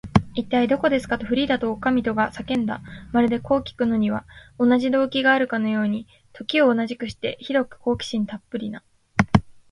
「いったい、どこですか？」と、フリーダとおかみとが叫んだ。まるで、こうきくのには同じ動機があるかのように、時を同じくして、ひどく好奇心たっぷりな